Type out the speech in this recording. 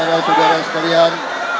saudara saudara sekalian